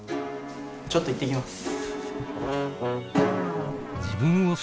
ちょっと行って来ます。